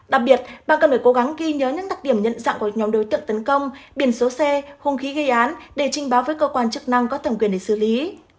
đặc biệt bà cần phải cố gắng ghi nhớ những đặc điểm nhận dạng của nhóm đối tượng tấn công biển số xe hùng khí gây án để trình báo với cơ quan chức năng có thẩm quyền để xử lý